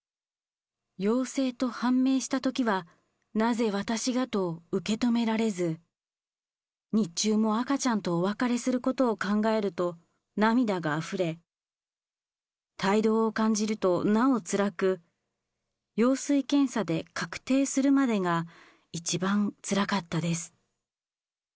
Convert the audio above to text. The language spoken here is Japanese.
陽性と判明したときは、なぜ私が？と受け止められず、日中も赤ちゃんとお別れすることを考えると、涙があふれ、胎動を感じるとなおつらく、羊水検査で確定するまでが、一番つらかったです。